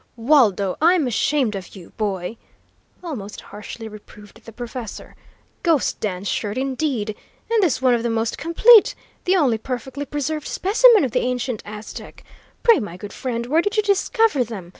"Waldo, I'm ashamed of you, boy!" almost harshly reproved the professor. "Ghost dance shirt, indeed! And this one of the most complete the only perfectly preserved specimen of the ancient Aztec pray, my good friend, where did you discover them?